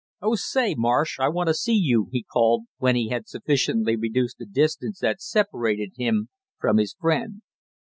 "Oh, say, Marsh, I want to see you!" he called when he had sufficiently reduced the distance that separated him from his friend.